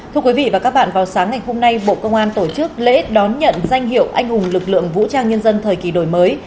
thưa quý vị và các bạn vào sáng ngày hôm nay bộ công an tổ chức lễ đón nhận danh hiệu anh hùng lực lượng vũ trang nhân dân thời kỳ đổi mới